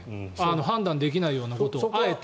判断できないようなことをあえて。